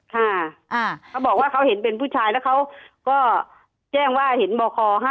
เขาบอกว่าเขาเห็นเป็นผู้ชายแล้วเขาก็แจ้งว่าเห็นบค๕๗